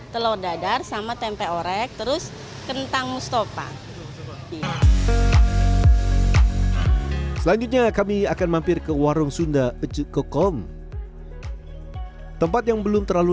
terus kentang mustafa selanjutnya kami akan mampir ke warung sunda pejokokom tempat yang belum terlalu